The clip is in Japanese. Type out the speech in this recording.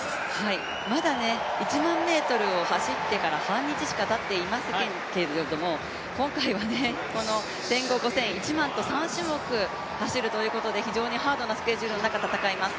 まだ１００００ｍを走ってから半日しかたっていませんけれども今回は、この１５００、５０００、１００００ｍを走るという非常にハードなスケジュールの中、戦います。